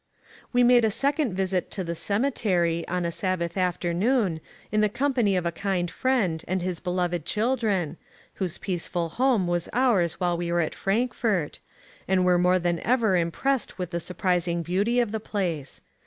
We made a second visit to the Cemetery, on a Sab bath afternoon, in the company of a kind friend, and his beloved children, (whose peaceful home was ours while we were at Frankfort,) and were more than ever im pressed with the surprising beauty of the place.